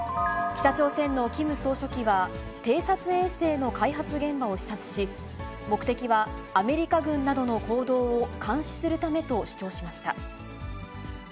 北朝鮮のキム総書記は、偵察衛星の開発現場を視察し、目的はアメリカ軍などの行動を監視するためと主張しました。